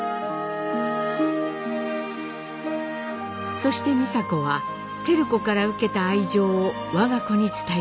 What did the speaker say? そして美佐子は照子から受けた愛情を我が子に伝えていきます。